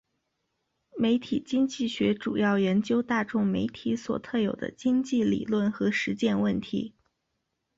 媒体经济学主要研究大众媒体所特有的经济理论和实践问题。